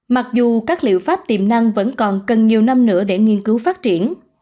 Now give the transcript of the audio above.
mặc dù các liệu pháp tiềm năng vẫn còn cần nhiều năm nữa để nghiên cứu phát triển